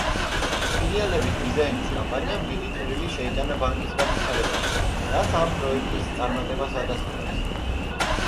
ფილიალების დიზაინის კამპანიამ დიდი წვლილი შეიტანა ბანკის განვითარებაში, რაც ამ პროექტის წარმატებას ადასტურებს.